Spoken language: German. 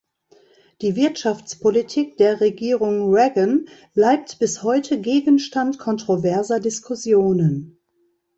Die Wirtschaftspolitik der Regierung Reagan bleibt bis heute Gegenstand kontroverser Diskussionen.